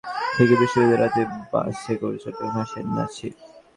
অসুস্থ মাকে দেখতে নোয়াখালী থেকে বৃহস্পতিবার রাতে বাসে করে চট্টগ্রাম আসেন নাছির।